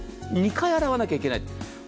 ２回洗わなきゃいけない。